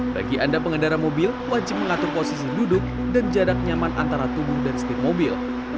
bagi anda pengendara mobil wajib mengatur posisi duduk dan jarak nyaman antara tubuh dan stip mobil